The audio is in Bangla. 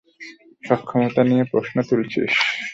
সক্ষমতা নিয়ে প্রশ্ন তুলছিস?